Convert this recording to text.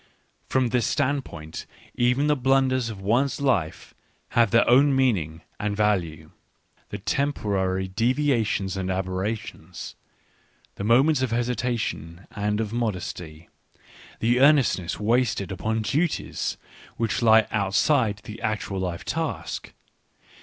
From this standpoint even the blunders of one's life have their own meaning and value, the tem porary deviations and aberrations, the moments of hesitation and of modesty, the earnestness wasted upon duties which lie outside the actual life task.